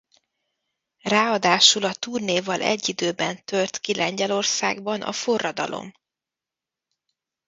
Ráadásul a turnéval egy időben tört ki Lengyelországban a forradalom.